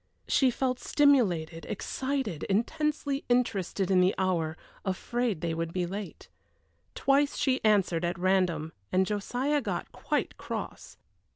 She felt stimulated, excited, intensely interested in the hour, afraid they would be late. Twice she answered at random, and Josiah got quite cross.